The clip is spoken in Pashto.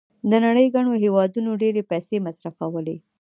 د نړۍ ګڼو هېوادونو ډېرې پیسې مصرفولې.